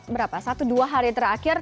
berapa satu dua hari terakhir